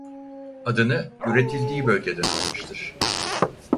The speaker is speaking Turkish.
Adını üretildiği bölgeden almıştır.